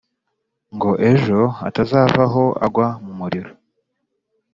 Ngo ejo atazavaho agwa mu muriro!